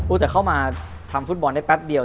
แต่เข้ามาทำฟุตบอลได้แป๊บเดียว